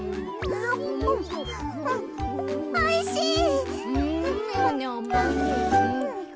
おいしい。